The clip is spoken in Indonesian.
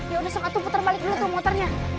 ya udah sokatu puter balik dulu tuh motornya